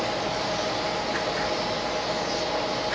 ต้องเติมเนี่ย